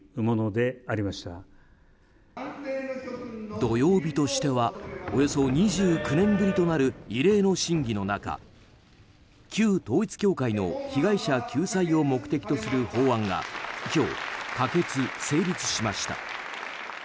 土曜日としてはおよそ２９年ぶりとなる異例の審議の中旧統一教会の被害者救済を目的とする法案が今日、可決・成立しました。